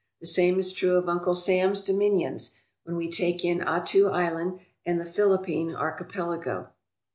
The same is true of Uncle Sam's dominions, when we take in Attu Island and the Philip pine Archipelago.